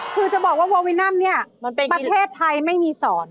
ก็ถ้าบอกว่าโววินัมนี่ประเทศไทยไม่มีศร